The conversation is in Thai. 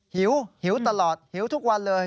หิวหิวตลอดหิวทุกวันเลย